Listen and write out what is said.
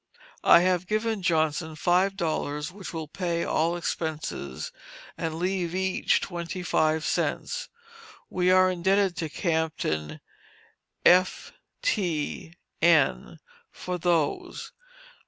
I have given Johnson five dollars, which will pay all expenses, and leave each twenty five cents. We are indebted to Captain F t n for those.